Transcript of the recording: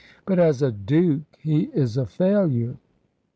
But as a Duke he is a failure."